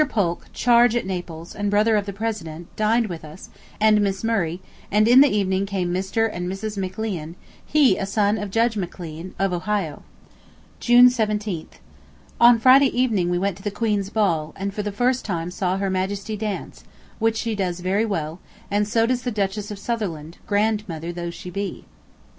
Polk, Chargé at Naples, and brother of the President, dined with us, and Miss Murray, and in the evening came Mr. and Mrs. McLean, he a son of Judge McLean, of Ohio. [Picture: George Hudson, the "Railway King". From the engraving after F. Grant] June 17th. On Friday evening we went to the Queen's Ball, and for the first time saw Her Majesty dance, which she does very well, and so does the Duchess of Sutherland, grandmother though she be.